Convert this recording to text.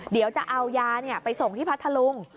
เดี๋ยวจะเอายาไปส่งที่พัทธลุง